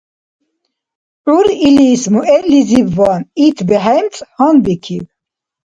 ГӀyp илис муэрлизибван ит бехӀемцӀ гьанбикиб.